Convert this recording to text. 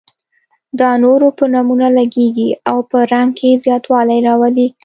دا نور په نمونه لګیږي او په رنګ کې زیاتوالی راولي.